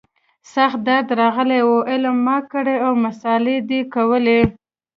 سخت درد راغلى و علم ما کړى او مسالې ده کولې.